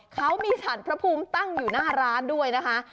เขามีฉันพระภูมิตั้งอยู่หน้าร้านด้วยนะคะ